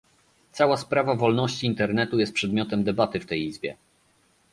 Cała sprawa wolności Internetu jest przedmiotem debaty w tej Izbie